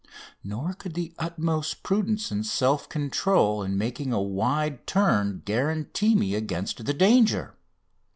Nor could the utmost prudence and self control in making a wide turn guarantee me against the danger.